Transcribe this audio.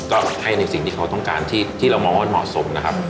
ก็ให้ในสิ่งที่เขาต้องการที่เรามองว่ามันเหมาะสมนะครับ